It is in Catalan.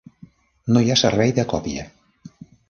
No hi ha servei de còpia.